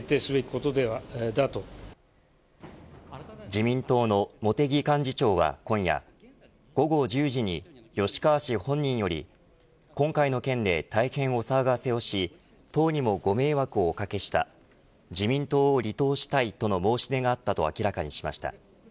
自民党の茂木幹事長は今夜午後１０時に吉川氏本人より今回の件で大変お騒がせをし党にもご迷惑をおかけした自民党を離党したいとの申し出があったと明らかにしました。